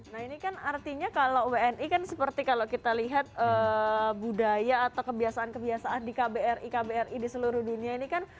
nah ini kan artinya kalau wni kan seperti kalau kita lihat budaya atau kebiasaan kebiasaan di kbri kbri di seluruh dunia ini kan